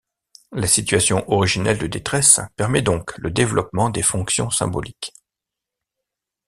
La situation originelle de détresse permet donc le développement des fonctions symboliques.